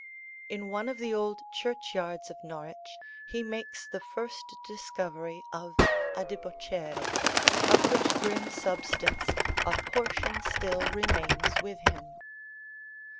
In one of the old churchyards of Norwich he makes the first discovery of adipocere, of which grim substance "a portion still remains with him."